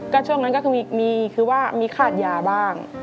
ก็ช่วงนั้นก็คือมีขาดยาบ้าง